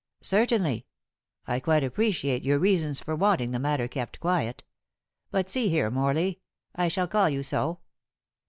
"Certainly. I quite appreciate your reasons for wanting the matter kept quiet. But see here, Mr. Morley I shall call you so."